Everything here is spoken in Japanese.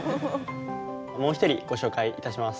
もう一人ご紹介いたします。